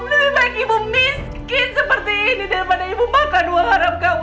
lebih baik ibu miskin seperti ini daripada ibu makan uang haram kamu